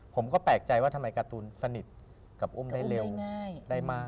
ผมก็แปลกใจว่าทำไมการ์ตูนสนิทกับอุ้มได้เร็วได้มาก